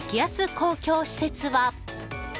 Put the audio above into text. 公共施設は。